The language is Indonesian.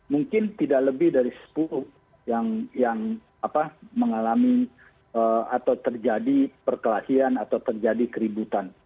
mungkin tidak lebih dari sepuluh yang mengalami atau terjadi perkelahian atau terjadi keributan